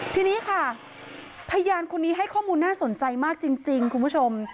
ทีนี้ค่ะพยานคนนี้ให้ข้อมูลน่าสนใจมากจริงคุณผู้ชม